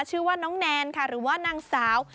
ชื่อว่าน้องแนนค่ะหรือว่านางสาว